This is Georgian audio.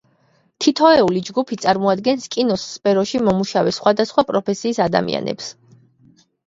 თითოეული ჯგუფი წარმოადგენს კინოს სფეროში მომუშავე სხვადასხვა პროფესიის ადამიანებს.